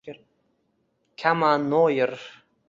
kama_noir